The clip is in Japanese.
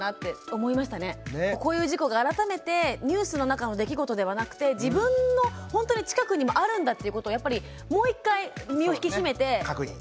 こういう事故が改めてニュースの中の出来事ではなくて自分のほんとに近くにもあるんだっていうことをやっぱりもう一回身を引き締めて家の中確認しましょう。